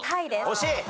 惜しい。